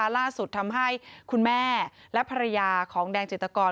ทำให้คุณแม่และภรรยาของแดงจิตกร